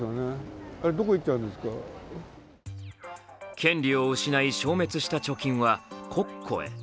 権利を失い、消滅した貯金は国庫へ。